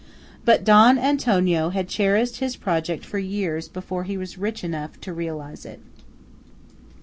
But Don Antonio had cherished his project "for years" before he was rich enough to realise it.